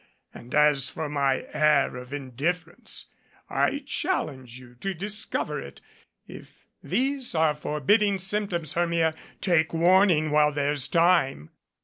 And as for my air of indifference I challenge you to discover it. If 157 MADCAP these are forbidding symptoms, Hermia, take warning while there's time."